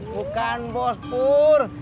bukan bos pur